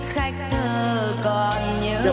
khách thơ còn nhớ người